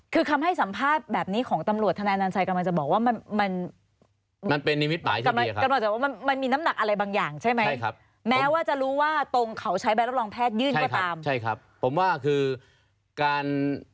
คือคำให้สัมภาษณ์แบบนี้ของตำรวจทนายนันชัยกำลังจะบอกว่ามัน